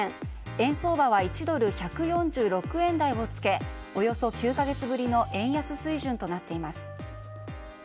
円相場は１ドル＝１４６円台をつけおよそ９か月ぶりの円安水準となっています。